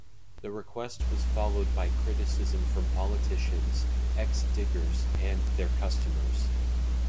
The request was followed by criticism from politicians, ex-Diggers and their customers.